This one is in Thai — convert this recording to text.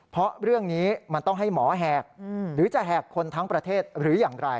เพราะเรื่องนี้มันต้องให้หมอแหกหรือจะแหกคนทั้งประเทศหรืออย่างไร